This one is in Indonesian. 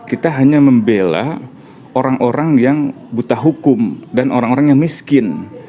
kita hanya membela orang orang yang buta hukum dan orang orang yang miskin